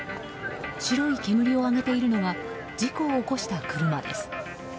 白い煙を上げているのは事故を起こした車です。